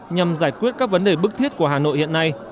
nhằm giải quyết các vấn đề bức thiết của hà nội hiện nay